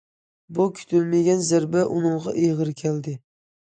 بۇ كۈتۈلمىگەن زەربە ئۇنىڭغا ئېغىر كەلدى.